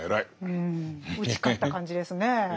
うん打ち勝った感じですねぇ。